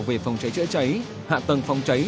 về phòng cháy chữa cháy hạ tầng phòng cháy